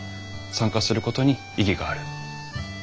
参加することに意義がある。